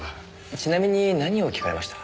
ちなみに何を聞かれました？